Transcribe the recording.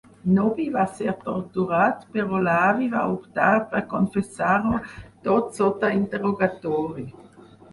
Nobby va ser torturat, però l'avi va optar per confessar-ho tot sota interrogatori.